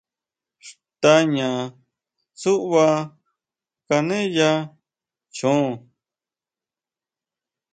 Xtaña tsúʼba keneya choon.